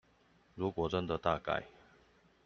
如果真的大改